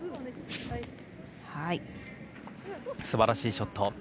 すばらしいショット。